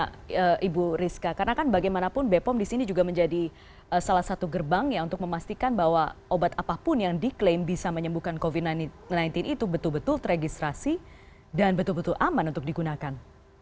bagaimana ibu rizka karena kan bagaimanapun bepom di sini juga menjadi salah satu gerbang ya untuk memastikan bahwa obat apapun yang diklaim bisa menyembuhkan covid sembilan belas itu betul betul teregistrasi dan betul betul aman untuk digunakan